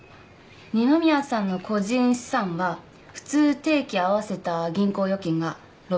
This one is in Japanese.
二ノ宮さんの個人資産は普通定期合わせた銀行預金が６００万。